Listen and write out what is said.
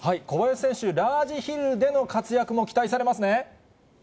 小林選手、ラージヒルでの活躍も期待されますね。